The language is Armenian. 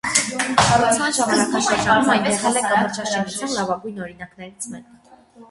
Կառուցման ժամանակաշրջանում այն եղել է կամրջաշինության լավագույն օրինակներից մեկը։